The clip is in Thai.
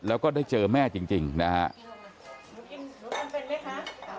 แล้วก็ได้เจอแม่จริงจริงนะฮะ